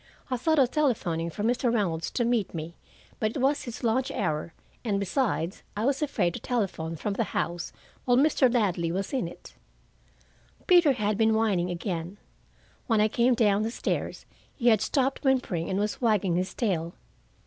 I thought of telephoning for Mr. Reynolds to meet me, but it was his lunch hour, and besides I was afraid to telephone from the house while Mr. Ladley was in it. Peter had been whining again. When I came down the stairs he had stopped whimpering and was wagging his tail.